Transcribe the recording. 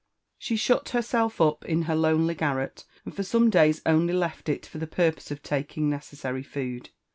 She shut herself up in her lonely garret, and for some days only left it for. the purpose of taking necessary food.